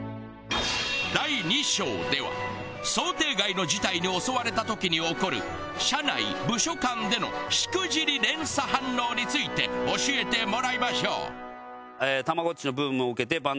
第２章では想定外の事態に襲われた時に起こる社内部署間でのしくじり連鎖反応について教えてもらいましょう。